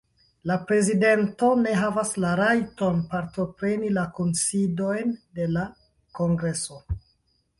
La prezidento ne havas la rajton partopreni la kunsidojn de la kongreso.